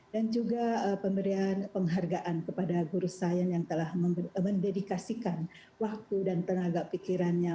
dan juga pemberian penghargaan kepada guru sains yang telah mendedikasikan waktu dan tenaga pikirannya